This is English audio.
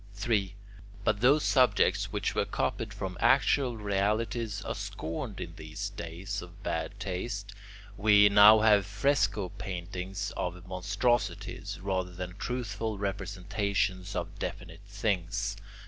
3. But those subjects which were copied from actual realities are scorned in these days of bad taste. We now have fresco paintings of monstrosities, rather than truthful representations of definite things.